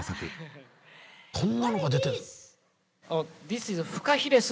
こんなのが出てる。